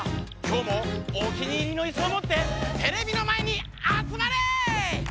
今日もお気に入りのイスをもってテレビの前にあつまれ！